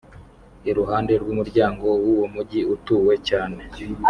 iruhande rw’umuryango w’uwo mugi utuwe cyane.